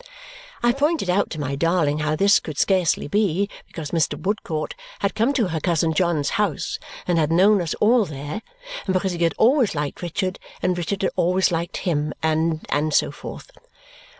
I pointed out to my darling how this could scarcely be, because Mr. Woodcourt had come to her cousin John's house and had known us all there, and because he had always liked Richard, and Richard had always liked him, and and so forth.